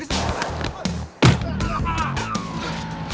neng jalan jalan jalan lah